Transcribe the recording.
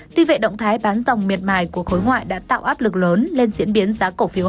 tuy vậy động thái bán dòng miệt mài của khối ngoại đã tạo áp lực lớn lên diễn biến giá cổ phiếu